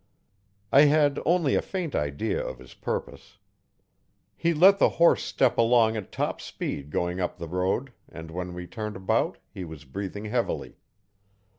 I had only a faint idea of his purpose. He let the horse step along at top speed going up the road and when we turned about he was breathing heavily.